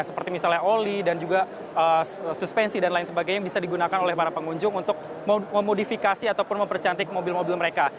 seperti misalnya oli dan juga suspensi dan lain sebagainya yang bisa digunakan oleh para pengunjung untuk memodifikasi ataupun mempercantik mobil mobil mereka